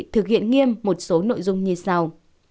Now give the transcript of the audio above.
thực hiện nghiêm một số nội dung như sau